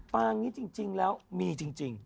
ปางนี้จริงแล้วมีจริง